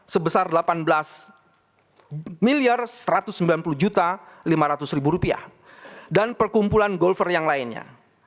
sebesar delapan belas miliar satu ratus sembilan puluh juta lima ratus ribu rupiah dan perkumpulan golfer yang lainnya